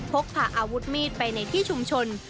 พกพาอาวุธมีดไปในที่ชุมชน